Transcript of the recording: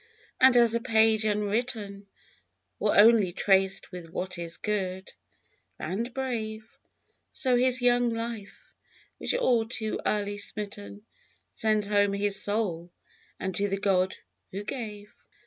and as a page unwritten, Or only traced with what is good and brave, So his young life, which all too early smitten, Sends home his soul unto the God who gave.